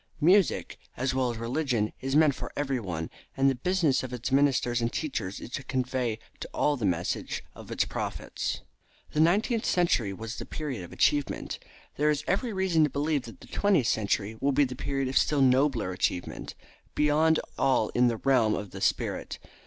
Music, as well as religion, is meant for everyone, and the business of its ministers and teachers is to convey to all the message of its prophets. The nineteenth century was the period of achievement. There is every reason to believe that the twentieth century will be the period of still nobler achievement, beyond all in the realm of the spirit.